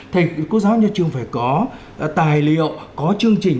thầy cô giáo nhà trường phải có tài liệu có chương trình